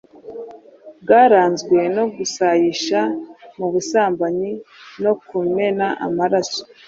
bwaranzwe no gusayisha mu busambanyi no kumena amaraso